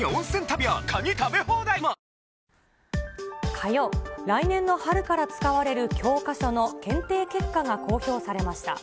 火曜、来年の春から使われる教科書の検定結果が公表されました。